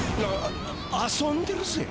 あ遊んでるぜ。